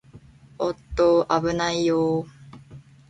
おーっと、あぶないよー